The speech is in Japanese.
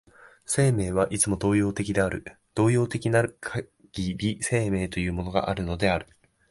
生命はいつも動揺的である、動揺的なるかぎり生命というものがあるのである。